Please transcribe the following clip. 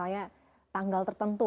misalnya tanggal tertentu